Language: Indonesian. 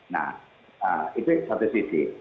nah itu satu sisi